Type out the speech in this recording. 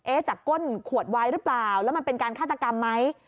จากก้นขวดวายหรือเปล่าแล้วมันเป็นการฆาตกรรมไหม